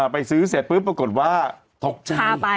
ไปซื้อเสร็จปุ๊บปรากฏว่าตกใจ